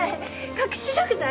隠し食材？